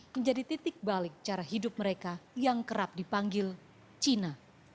seribu sembilan ratus sembilan puluh delapan menjadi titik balik cara hidup mereka yang kerap dipanggil china